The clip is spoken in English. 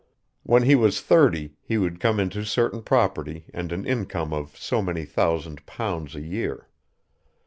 When he was thirty he would come into certain property and an income of so many thousand pounds a year.